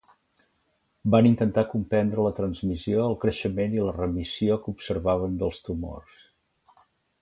Van intentar comprendre la transmissió, el creixement i la remissió que observaven dels tumors.